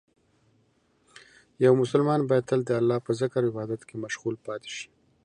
یو مسلمان باید تل د الله په ذکر او عبادت کې مشغول پاتې شي.